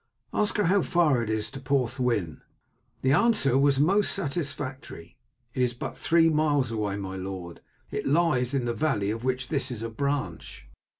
"Ask her how far it is to Porthwyn." The answer was most satisfactory. "It is but three miles away, my lord. It lies in the valley of which this is a branch."